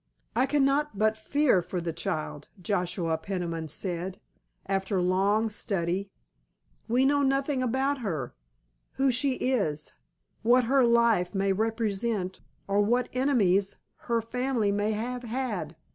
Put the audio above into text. "I cannot but fear for the child," Joshua Peniman said, after long study. "We know nothing about her, who she is, what her life may represent, or what enemies her family may have had.